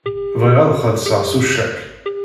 Bɣiɣ ad xellṣeɣ s ucak.